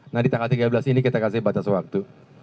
nah di tanggal tiga belas ini kita kasih batas waktu